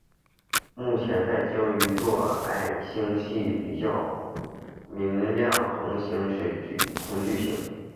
而目前在鲸鱼座矮星系里较明亮恒星都是红巨星。